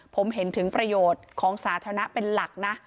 ผมเห็นถึงประโยชน์ของสาธารณะเป็นหลักนะ